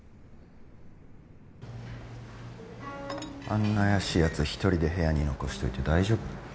あんな怪しいやつ１人で部屋に残しといて大丈夫？